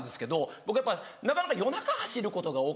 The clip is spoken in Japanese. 僕やっぱなかなか夜中走ることが多かったんですよ。